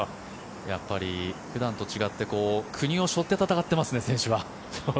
やっぱり普段と違って国を背負って戦ってますね選手は。